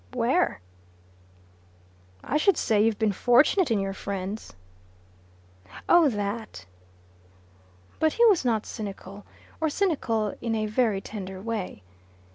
"Where?" "I should say you've been fortunate in your friends." "Oh that!" But he was not cynical or cynical in a very tender way.